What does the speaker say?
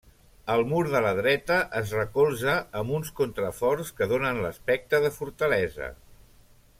El mur de la dreta es recolza amb uns contraforts que donen l'aspecte de fortalesa.